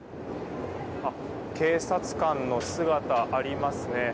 警察官の姿がありますね。